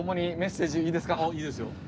いいですよ。